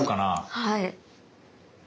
はい。